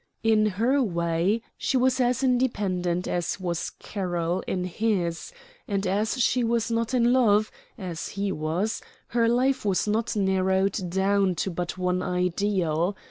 In her way, she was as independent as was Carroll in his, and as she was not in love, as he was, her life was not narrowed down to but one ideal.